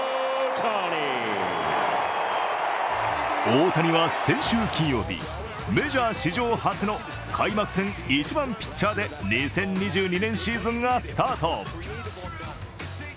大谷は先週金曜日、メジャー史上初の開幕戦１番・ピッチャーで２０２２年シーズンがスタート。